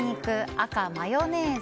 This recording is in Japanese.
赤、マヨネーズ。